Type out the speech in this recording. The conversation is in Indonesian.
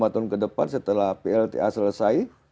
lima tahun ke depan setelah plta selesai